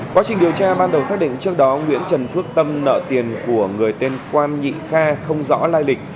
quá trình điều tra ban đầu xác định trước đó nguyễn trần phước tâm nợ tiền của người tên quan nhị kha không rõ lai lịch